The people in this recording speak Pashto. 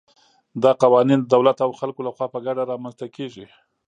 دا قوانین د دولت او خلکو له خوا په ګډه رامنځته کېږي.